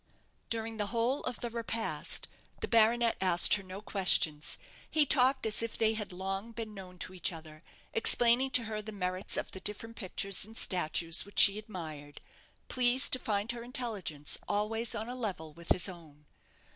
During the whole of the repast the baronet asked her no questions. He talked as if they had long been known to each other, explaining to her the merits of the different pictures and statues which she admired, pleased to find her intelligence always on a level with his own.